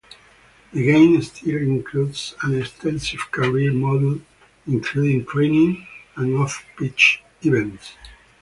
The game still includes an extensive career module, including training and off-pitch events.